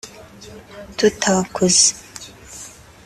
tutakuze